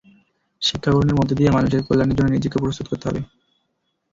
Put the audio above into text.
শিক্ষা গ্রহণের মধ্য দিয়ে মানুষের কল্যাণের জন্য নিজেকে প্রস্তুত করতে হবে।